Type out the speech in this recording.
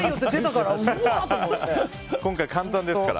今回、簡単ですから。